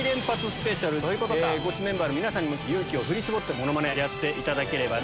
ゴチメンバーの皆さんにも勇気を振り絞ってモノマネやっていただければ。